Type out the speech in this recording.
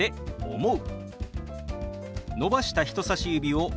「思う」。